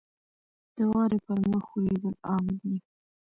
• د واورې پر مخ ښویېدل عام دي.